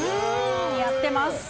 似合ってます。